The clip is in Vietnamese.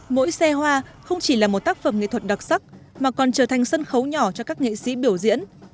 mỗi xe hoa không chỉ là một tác phẩm nghệ thuật đặc sắc mà còn trở thành sân khấu nhỏ cho các nghệ sĩ biểu diễn